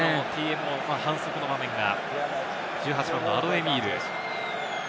反則の場面が、１８番のアロエミール。